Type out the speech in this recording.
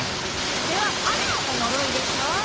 それはファラオの呪いでしょ！